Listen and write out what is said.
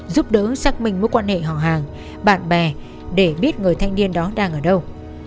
giúp đỡ xác minh mối quan hệ họ hàng bạn bè để biết người thanh niên đó đang ở đâu